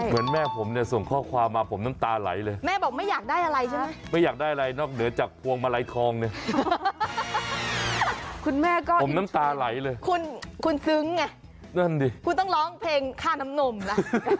เหมือนแม่ผมส่งข้อความมาผมน้ำตาไหลเลยไม่อยากได้อะไรนอกเหนือจากพวงมาลัยคลองเนี่ยผมน้ำตาไหลเลยคุณซึ้งไงคุณต้องร้องเพลงข้าน้ำหน่มละ